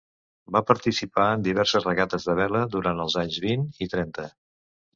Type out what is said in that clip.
Va participar en diverses regates de vela durant els anys vint i trenta.